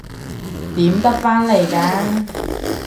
點得返嚟㗎？